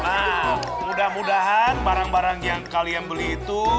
nah mudah mudahan barang barang yang kalian beli itu